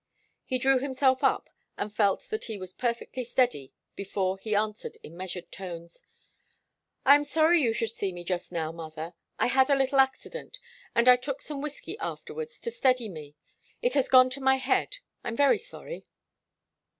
He drew himself up and felt that he was perfectly steady before he answered in measured tones. "I'm sorry you should see me just now, mother. I had a little accident, and I took some whiskey afterwards to steady me. It has gone to my head. I'm very sorry."